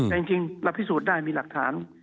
แต่จริงเราพิสูจน์ได้มีหลักฐาน